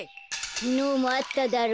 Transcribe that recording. きのうもあっただろ。